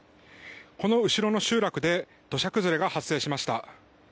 この後ろの集落で土砂崩れが発生しました。